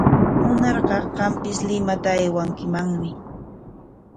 Munarqa qampis Limata aywankimanmi.